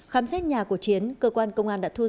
khám xét nhà của chiến cơ quan công an đã thu giữ